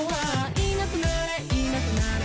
「いなくなれいなくなれ